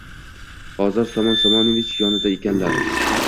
Hozir Somon Somonovich yonida ekanlar